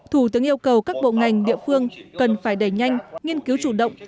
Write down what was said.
thủ tướng yêu cầu các bộ ngành địa phương cần phải đẩy nhanh nghiên cứu chủ động